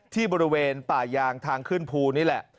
ที่บริเวณป่ายางทางขึ้นภูนี่แหละ